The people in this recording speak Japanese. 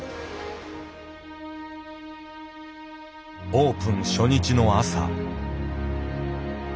オープン初日の朝。